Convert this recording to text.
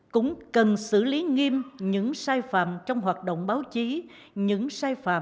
cũng cần xử lý nghiêm những sai phạm trong hoạt động báo chí những sai phạm pháp luật